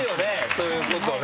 そういうことね。